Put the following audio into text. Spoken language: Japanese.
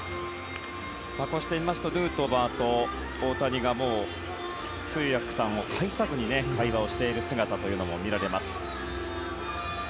こうして見ますとヌートバーと大谷が通訳さんを介さずに会話をしている姿も見られます。